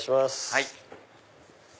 はい。